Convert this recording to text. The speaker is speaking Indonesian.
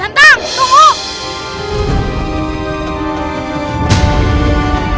sampai ketemu di rumahmu